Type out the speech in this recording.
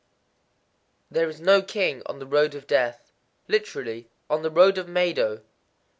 _ There is no King on the Road of Death. Literally, "on the Road of Meidō."